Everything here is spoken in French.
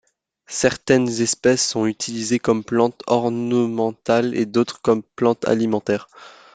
Certaines espèces sont utilisées comme plantes ornementales et d’autres comme plantes alimentaires.